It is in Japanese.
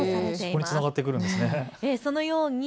そこにつながってくるんですね。